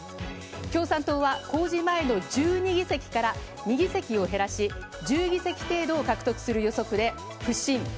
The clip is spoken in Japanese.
共産党は公示前の１２議席から２議席を減らし、１０議席程度を獲得する予測で不振。